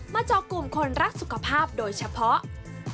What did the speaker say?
จอกลุ่มคนรักสุขภาพโดยเฉพาะ